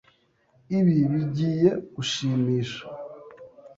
Ibi bigiye gushimisha.